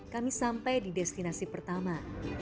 kami sampai di destinasi pertama